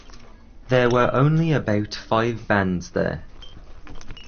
There were only about five bands there.